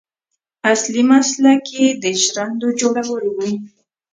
اصلي مسلک یې د ژرندو جوړول و.